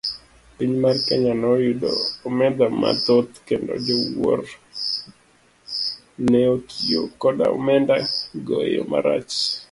Piny mar Kenya noyudo omenda mathoth kendo jowuoro neotiyo koda omenda go eyo marach.